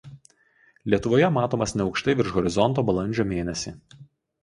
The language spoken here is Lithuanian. Lietuvoje matomas neaukštai virš horizonto balandžio mėnesį.